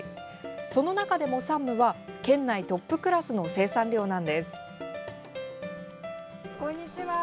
その中でも山武は県内トップクラスの生産量なんです。